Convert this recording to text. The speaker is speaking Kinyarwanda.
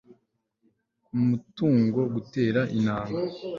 ku matungo gutera intanga